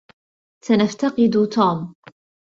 سنفتقد توم.